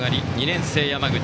２年生、山口。